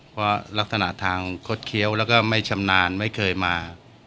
เพราะลักษณะทางคดเคี้ยวแล้วก็ไม่ชำนาญไม่เคยมา